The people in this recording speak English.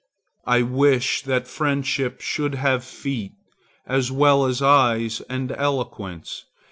I wish that friendship should have feet, as well as eyes and eloquence.